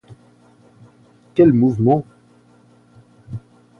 Quel mouvement!